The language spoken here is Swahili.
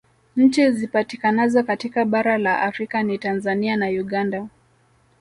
Nchi zipatikanazo katika bara la Afrika ni Tanzania na Uganda